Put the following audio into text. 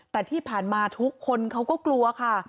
แต่ที่ผ่านมาทุกคนเขาก็กลัวค่ะ